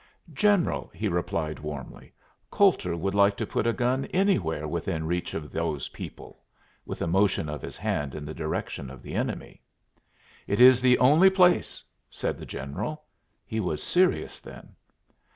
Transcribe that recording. "General," he replied warmly, "Coulter would like to put a gun anywhere within reach of those people," with a motion of his hand in the direction of the enemy. "It is the only place," said the general. He was serious, then.